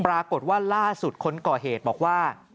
ปรากฏว่าล่าสุดคนก่อเหตุบอกว่า